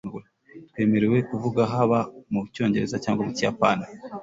twemerewe kuvuga haba mu cyongereza cyangwa mu kiyapani